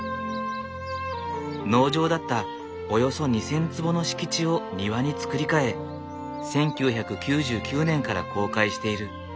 農場だったおよそ２，０００坪の敷地を庭に造り替え１９９９年から公開している。